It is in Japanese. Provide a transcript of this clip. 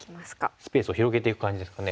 スペースを広げていく感じですかね。